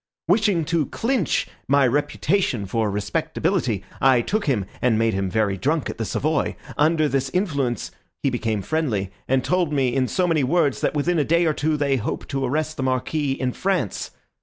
Wishing to clinch my reputation for respectability, I took him and made him very drunk at the Savoy. Under this influence he became friendly, and told me in so many words that within a day or two they hope to arrest the Marquis in France.